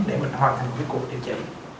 để mình hoàn thành cái cuộc điều trị